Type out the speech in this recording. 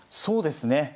そうですね。